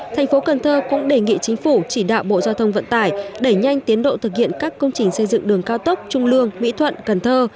thành phố cần thơ cũng đề nghị chính phủ chỉ đạo bộ giao thông vận tải đẩy nhanh tiến độ thực hiện các công trình xây dựng đường cao tốc trung lương mỹ thuận cần thơ